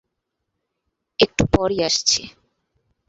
একটু পরই আসছি।